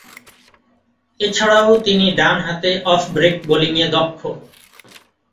এছাড়াও তিনি ডানহাতে অফ-ব্রেক বোলিংয়ে দক্ষ।